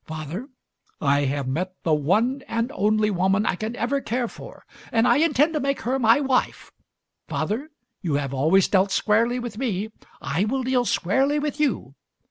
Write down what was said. Father, I have met the one and only woman I can ever care for, and I Digitized by Google 148 MARY SMITH intend to make her my wife. Father, you have always dealt squarely with me; I will deal squarely with you.